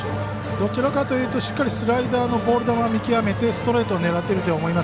どちらかというとしっかりスライダーのボール球を見極めてストレートを狙っていると思います。